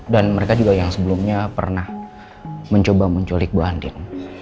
dan mereka juga yang sebelumnya pernah mencoba menculik bu andin